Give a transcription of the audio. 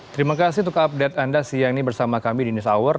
terima kasih untuk update anda siang ini bersama kami di news hour